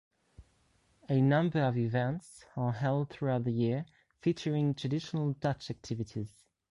A number of events are held throughout the year featuring traditional Dutch activities.